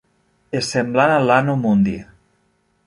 És semblant a l'"Anno Mundi".